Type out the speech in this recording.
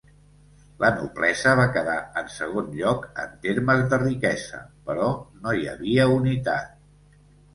La noblesa va quedar en segon lloc en termes de riquesa, però no hi havia unitat.